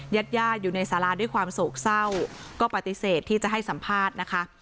ญาติญาติอยู่ในสาราด้วยความโศกเศร้าก็ปฏิเสธที่จะให้สัมภาษณ์นะคะ